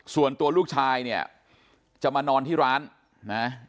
ส่วนตัวลูกชายเนี่ยจะมานอนที่ร้านนะ